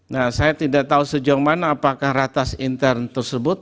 nah saya tidak tahu sejauh mana apakah ratas intern tersebut